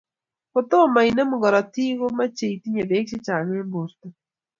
Ngotomo inemu korotik, komechei itinye beek chechang eng borto